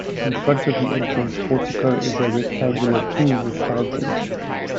In front of the entrance portico is a rectangular pool with fountains.